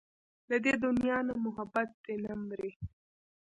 د دې دنيا نه محبت دې نه مري